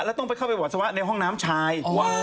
แล้วต้องไปเข้าไปปัสสาวะในห้องน้ำชาย